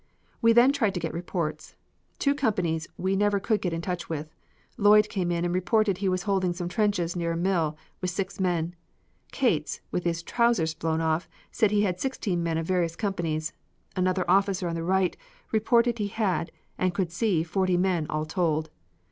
We then tried to get reports. Two companies we never could get in touch with. Lloyd came in and reported he was holding some trenches near a mill with six men. Cates, with his trousers blown off, said he had sixteen men of various companies; another officer on the right reported he had and could see forty men, all told.